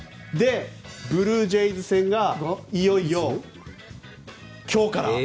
ブルージェイズ戦がいよいよ今日から。